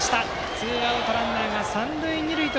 ツーアウトランナー、三塁二塁。